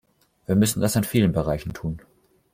Wir müssen das in vielen Bereichen tun.